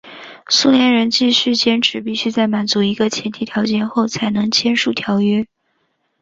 苏联人继续坚持必须在满足一个前提条件后才能签署条约。